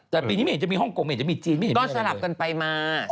แต่ปีนี้ไม่เห็นจะมีฮ่องกงไม่เห็นจะมีจีนไม่เห็นจะมีอะไรเลย